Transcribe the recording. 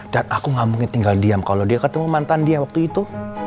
dan aku gak mungkin tinggal diam kalau dia ketemu mantan dia waktu itu